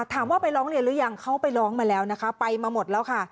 ถามว่าไปร้องเรียนหรือยังเขาไปร้องมาแล้วนะคะไปมาหมดแล้วค่ะ